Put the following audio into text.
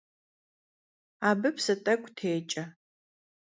Abı psı t'ek'u têç'e.